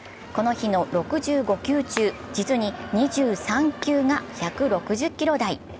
この日の６５球中、実に２３球が１６０キロ台。